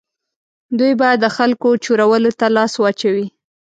دوی به د خلکو چورولو ته لاس واچوي.